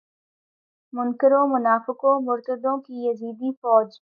منکروں منافقوں مرتدوں کی یزیدی فوج